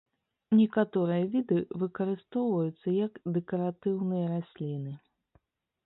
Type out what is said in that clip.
Некаторыя віды выкарыстоўваюцца як дэкаратыўныя расліны.